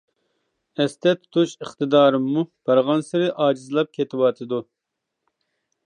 ئەستە تۇتۇش ئىقتىدارىممۇ بارغانسېرى ئاجىزلاپ كېتىۋاتىدۇ.